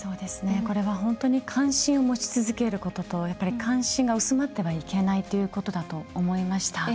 これは、本当に関心を持ち続けることとやはり関心が薄まってはいけないということだと思いました。